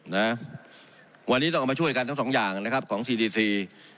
นะวันนี้ต้องเอามาช่วยกันทั้งสองอย่างนะครับของซีดีซี